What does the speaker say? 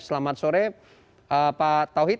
selamat sore pak tauhid